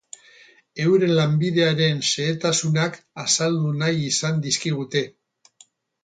Euren lanbidearen xehetasunak azaldu nahi izan dizkigute.